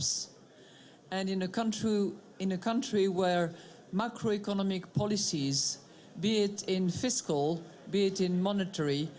dan di negara di mana polisi makroekonomis apakah di fiskal atau di monetari